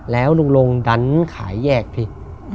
แล้วลงดันขายแยกที่